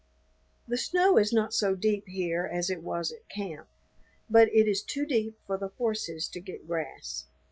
The snow is not so deep here as it was at camp, but it is too deep for the horses to get grass.